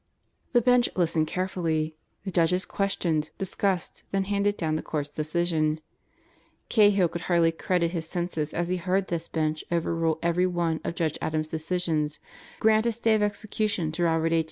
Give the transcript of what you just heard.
The Bench listened carefully. The judges questioned, discussed, then handed down the Court's decision. Cahill could hardly credit his senses as he heard this Bench overrule every one of Judge Adam's decisions, grant a stay of execution to Robert H.